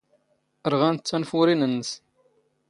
ⵔⵖⴰⵏⵜ ⵜⴰⵏⴼⵓⵔⵉⵏ ⵏⵏⵙ.